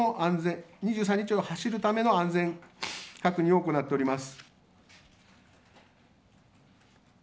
２５日に走るための安全確認を行っています。